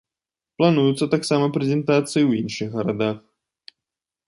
Плануюцца таксама прэзентацыі ў іншых гарадах.